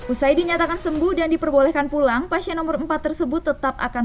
usai dinyatakan sembuh dan diperbolehkan pulang pasien nomor empat tersebut tetap akan